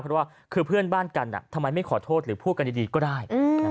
เพราะว่าคือเพื่อนบ้านกันทำไมไม่ขอโทษหรือพูดกันดีก็ได้